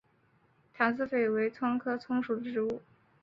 坛丝韭为葱科葱属的植物。